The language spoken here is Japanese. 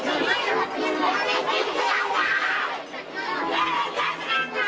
やめてくださーい！